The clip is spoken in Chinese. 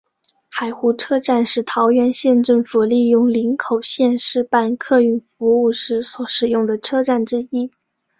海湖车站是桃园县政府利用林口线试办客运服务时所使用的车站之一。